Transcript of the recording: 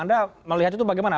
anda melihat itu bagaimana